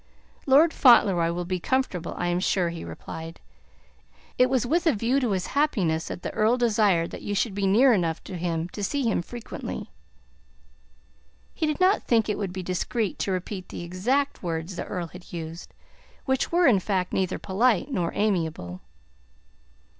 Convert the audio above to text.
"Lord Fauntleroy will be comfortable, I am sure," he replied. "It was with a view to his happiness that the Earl desired that you should be near enough to him to see him frequently." He did not think it would be discreet to repeat the exact words the Earl had used, which were in fact neither polite nor amiable.